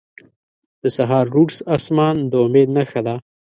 • د سهار روڼ آسمان د امید نښه ده.